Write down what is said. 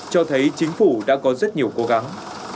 cho thấy chính phủ đã có rất nhiều cố gắng